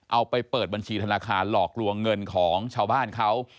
เอาไปเปิดบัญชีธนาคารหลอกลวงเงินของชาวบ้านเขา